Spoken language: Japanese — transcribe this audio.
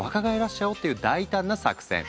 ちゃおうっていう大胆な作戦。